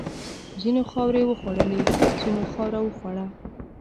ځینو خاورې وخوړلې، ځینو خاوره وخوړه.